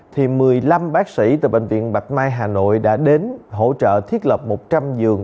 thì một mươi năm bác sĩ từ bệnh viện bạch mai hà nội đã đến hỗ trợ thiết lập một trăm linh giường